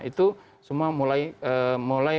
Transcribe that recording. itu semua mulai menghasilkan